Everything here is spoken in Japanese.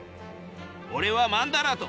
おれはマンダラート。